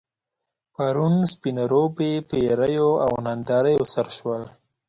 پرون، سپين روبي په ايريو او ناندريو سر شول.